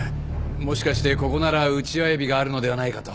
もしかしてここならウチワエビがあるのではないかと。